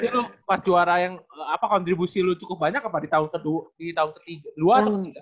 jadi lu pas juara yang apa kontribusi lu cukup banyak apa di tahun kedua di tahun ketiga